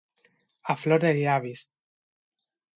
A flor de llavis.